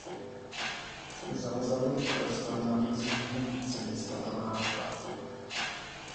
Zavazadlový prostor nabízí mnohem více místa pro náklad.